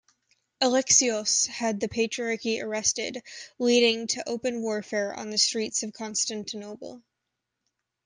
Alexios had the patriarch arrested, leading to open warfare on the streets of Constantinople.